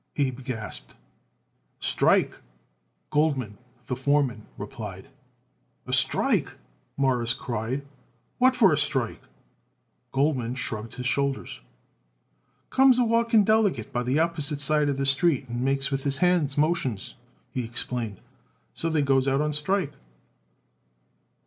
Abe gasped. "Strike," Goldman, the foreman, replied. "A strike!" Morris cried. "What for a strike?" Goldman shrugged his shoulders. "Comes a walking delegate by the opposite side of the street and makes with his hands motions," he explained. "So they goes out on strike."